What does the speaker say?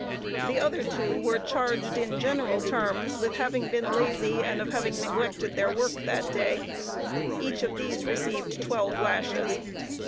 The other two were charged in general terms, with having been lazy, and of having neglected their work that day. Each of these received twelve lashes.